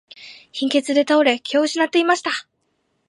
貧血で倒れ、気を失っていました。